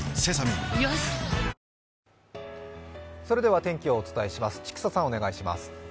それでは天気をお伝えします。